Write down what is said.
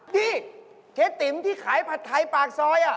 เจ๊ติ๋มที่ขายผัดไทยปากซอย